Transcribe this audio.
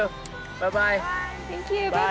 バイバイ！